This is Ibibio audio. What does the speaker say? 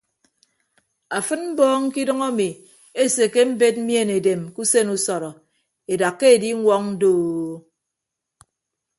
Afịd mbọọñ kidʌñ emi esekke embed mien edem ke usen usọrọ edakka ediñwọñ doo.